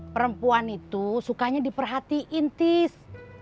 perempuan itu sukanya diperhatiin tis